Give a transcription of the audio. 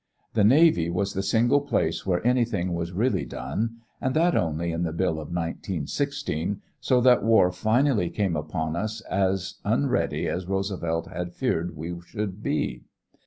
The Navy was the single place where anything was really done, and that only in the bill of 1916, so that war finally came upon us as unread as Roosevelt had feared we should be.